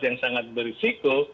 yang sangat berisiko